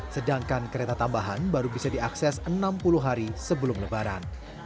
sedangkan kereta tambahan baru bisa diakses enam puluh hari sebelum lebaran